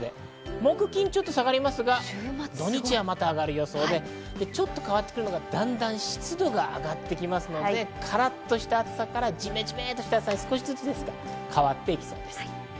木、金は下がりますが土日はまた上がる予想で、ちょっと変わってくるのがだんだん湿度が上がってきますので、カラッとした暑さからじめじめとした暑さに変わっていきそうです。